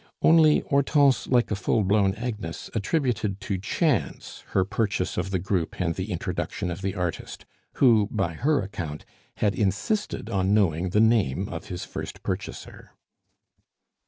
Only Hortense, like a full blown Agnes, attributed to chance her purchase of the group and the introduction of the artist, who, by her account, had insisted on knowing the name of his first purchaser.